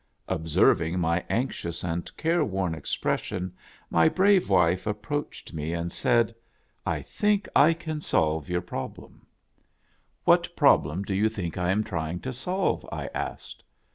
Observing my anxious and careworn expression my brave wife approached me and said, " I think I can solve your problem." :',/'/;;;^ v> k) WE BUILD OUR HOUSE. l l " What pioblem do you think I am trying to solve?" I asked.